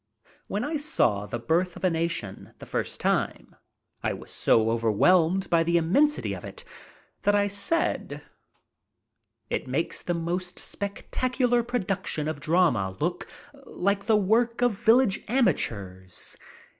When I saw "The Birth of a Nation" the first time, I was so over whelmed by the immensity of it that I said : "It makes the most spectacular production of drama look like the work of village amateurs.